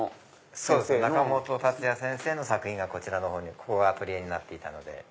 中本達也先生の作品がこちらにアトリエになっていたので。